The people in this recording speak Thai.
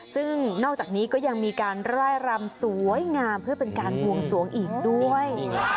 ซึ่งนอกจากนี้ก็ยังมีการร่ายรำสวยงามเพื่อเป็นการบวงสวงอีกด้วย